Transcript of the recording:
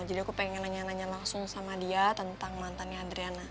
jadi aku pengen nanya nanya langsung sama dia tentang mantannya adriana